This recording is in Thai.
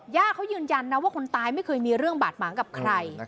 เขายืนยันนะว่าคนตายไม่เคยมีเรื่องบาดหมางกับใคร